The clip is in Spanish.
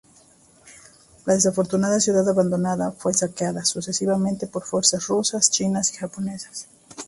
La desafortunada ciudad abandonada fue saqueada, sucesivamente, por fuerzas rusas, chinas y japonesas.